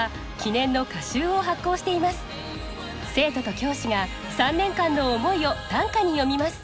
生徒と教師が３年間の思いを短歌に詠みます。